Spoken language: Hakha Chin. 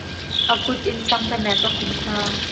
A kut in tangka nek a hum hna.